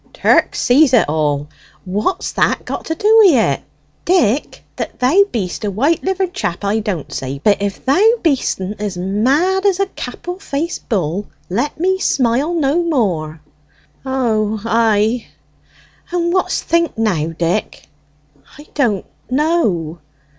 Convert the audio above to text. Turk seize it all, what's that got to do wi' it? Dick, that thou beest a white lyvered chap I don't say, but if thou beestn't as mad as a cappel faced bull, let me smile no more." "O, ay." "And what's think now, Dick?" "I don't know."